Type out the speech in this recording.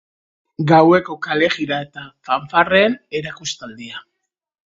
Gaueko kalejira eta fanfarreen erakustaldia.